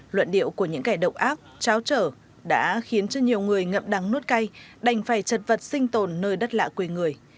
luận điệu của những kẻ độc ác cháo trở đã khiến cho nhiều người ngậm đắng nuốt cay đành phải chật vật sinh tồn nơi đất lạ quê người